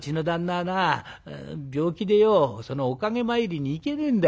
はな病気でよそのおかげ参りに行けねえんだ。